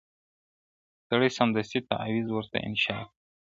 • سړي سمدستي تعویذ ورته انشاء کړ -